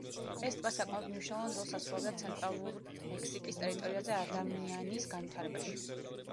ეს ტბა საკმაოდ მნიშვნელოვან როლს ასრულებდა ცენტრალურ მექსიკის ტერიტორიაზე ადამიანის განვითარებაში.